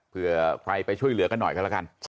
เพื่อใครไปช่วยเหลือกันหน่อยกันแล้วกัน